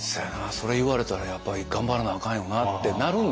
それ言われたらやっぱり頑張らなあかんよなってなるんですよ。